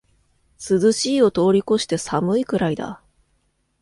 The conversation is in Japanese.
涼しいを通りこして寒いくらいだ